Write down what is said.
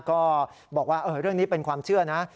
ก็บอกว่าเรื่องนี้เป็นความเชื่อนะ